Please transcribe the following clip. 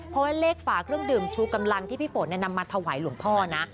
เพราะว่าเลขฝาเครื่องดื่มชูกำลังที่พี่ฝนนำมาถวายหลวงพ่อนะ